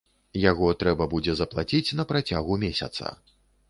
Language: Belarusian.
Яго трэба будзе заплаціць на працягу месяца.